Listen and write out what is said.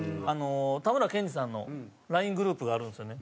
たむらけんじさんのＬＩＮＥグループがあるんですよね。